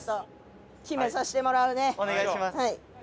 お願いします。